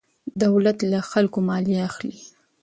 دولت له خلکو مالیه اخلي.